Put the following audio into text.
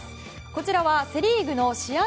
こちらはセ・リーグの試合